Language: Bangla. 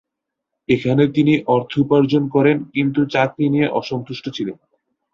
এখানে তিনি অর্থ উপার্জন করেন, কিন্তু চাকরি নিয়ে অসন্তুষ্ট ছিলেন।